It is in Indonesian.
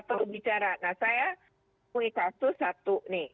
perlu bicara saya punya kasus satu nih